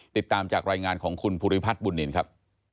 ติดตามจากรายงานของคุณภูริพัฒน์บุญนินครับ